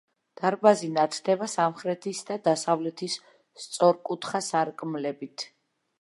დარბაზი ნათდება სამხრეთის და დასავლეთის სწორკუთხა სარკმლებით.